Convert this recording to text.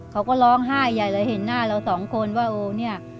เขาก็ร้องไห้ใหญ่เลยเห็นหน้าเราสองคนว่าโอ้เนี่ย